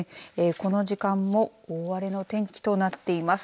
この時間も大荒れの天気となっています。